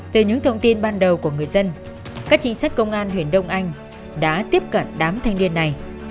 từ những thông tin ban đầu của người dân các trinh sát công an huyện đông anh đã tiếp cận đám thanh niên này